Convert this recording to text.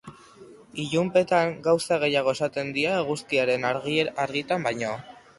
Ilunpetan gauza gehiago esaten dira eguzkiaren argitan baino.